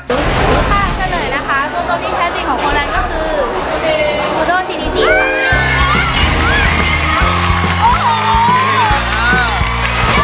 สุดท้ายก็คือ